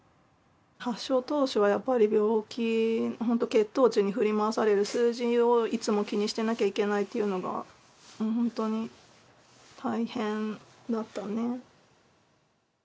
発症当初はやっぱり病気本当血糖値に振り回される数字をいつも気にしていなきゃいけないっていうのが本当に大変だったね。